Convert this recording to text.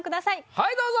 はいどうぞ！